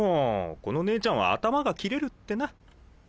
この姉ちゃんは頭が切れるってな。